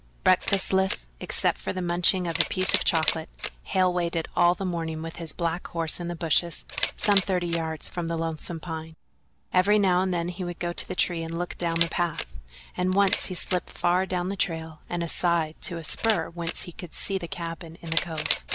Breakfastless, except for the munching of a piece of chocolate, Hale waited all the morning with his black horse in the bushes some thirty yards from the Lonesome Pine. Every now and then he would go to the tree and look down the path, and once he slipped far down the trail and aside to a spur whence he could see the cabin in the cove.